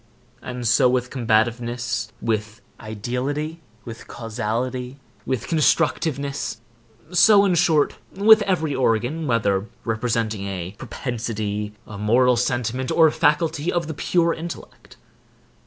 And so with combativeness, with ideality, with causality, with constructiveness,—so, in short, with every organ, whether representing a propensity, a moral sentiment, or a faculty of the pure intellect.